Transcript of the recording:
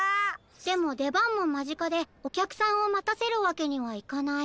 でもでばんもまぢかでおきゃくさんをまたせるわけにはいかない。